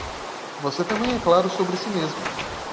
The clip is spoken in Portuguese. Você também é claro sobre si mesmo